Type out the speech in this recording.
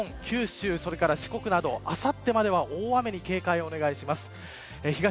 西日本、九州、四国などあさってまでは大雨に警戒をお願いします。